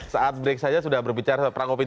saat break saja sudah berbicara perang opini